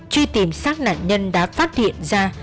truy tìm sát nạn nhân đã phát hiện ra